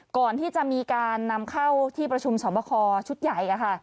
ก่อนที่จะมีการนำเข้าที่ประชุมสอบคอชุดใหญ่